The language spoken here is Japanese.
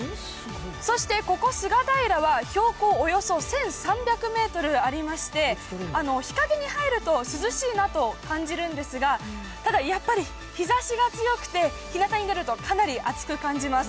そしてここ、菅平は標高およそ１３００メートルありまして、日陰に入ると涼しいなと感じるんですが、ただやっぱり、日ざしが強くて、日なたに出るとかなり暑く感じます。